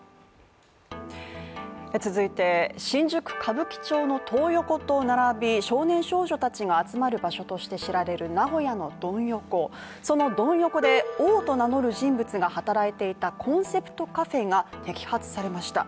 続いて新宿・歌舞伎町のトー横と並び少年少女たちが集まる場所として知られる名古屋のドン横、そのドン横で王と名乗る人物が働いていたコンセプトカフェが摘発されました。